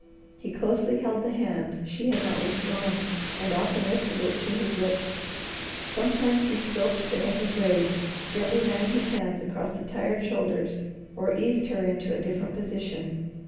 He closely held the hand she had not withdrawn, and often lifted it to his lips. Sometimes he stroked the heavy braid, gently ran his hands across the tired shoulders, or eased her into a different position.